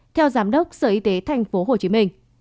theo giám đốc sở y tế tp hcm